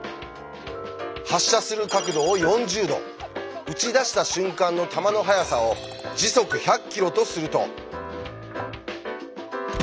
発射する角度を４０度撃ち出した瞬間の弾の速さを時速１００キロとすると。